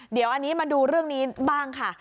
เดี๋ยวอันนี้มาดูเรื่องนี้บ้างค่ะ